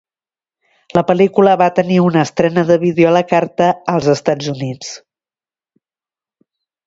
La pel·lícula va tenir una estrena de vídeo a la carta als Estats Units.